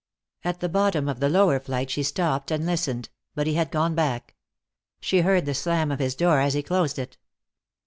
At the bottom of the lower flight she stopped and listened, but he had gone back. She heard the slam of his door as he closed it.